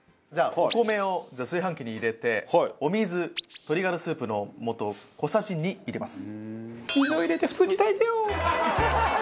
お米を炊飯器に入れてお水鶏がらスープの素を小さじ２入れます。